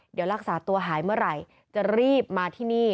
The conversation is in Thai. เดี๋ยวรักษาตัวหายเมื่อไหร่จะรีบมาที่นี่